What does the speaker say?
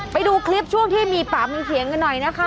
ไปดูคลิปช่วงที่มีปากมีเสียงกันหน่อยนะคะ